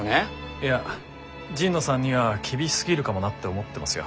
いや神野さんには厳しすぎるかもなって思ってますよ。